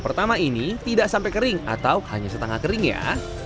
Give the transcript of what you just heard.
pertama ini tidak sampai kering atau hanya setengah kering ya